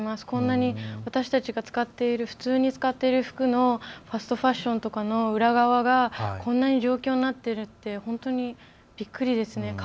こんなに、私たちが普通に使っている服のファストファッションの裏側がこんな状況になってるってびっくりですね。